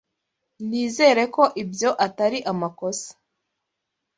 Nizere ko ibyo atari amakosa.